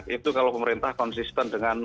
itu kalau pemerintah konsisten dengan